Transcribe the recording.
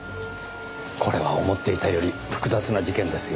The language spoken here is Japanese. これは思っていたより複雑な事件ですよ。